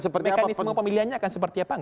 mekanisme pemilihannya akan seperti apa enggak